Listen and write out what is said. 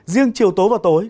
riêng chiều tối và tối